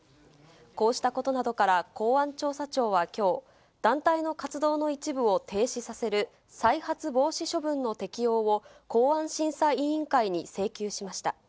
こうしたことなどから公安調査庁はきょう、団体の活動の一部を停止させる、再発防止処分の適用を公安審査委員会に請求しました。